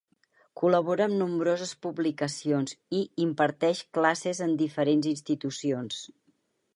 Col·labora en nombroses publicacions i imparteix classes en diferents institucions.